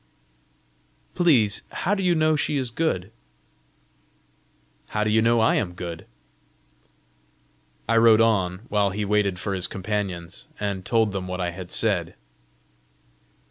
"Please how do you know she is good?" "How do you know I am good?" I rode on, while he waited for his companions, and told them what I had said.